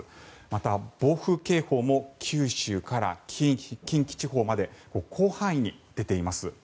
また、暴風警報も九州から近畿地方まで広範囲に出ています。